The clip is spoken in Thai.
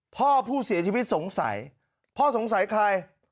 พ่อผู้เสียชีวิตสงสัยพ่อสงสัยใคร